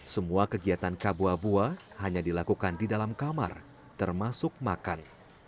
semua kegiatan kabua buah hanya dilakukan di dalam kamar termasuk makan